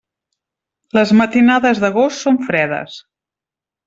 Les matinades d'agost són fredes.